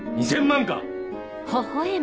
２０００万か！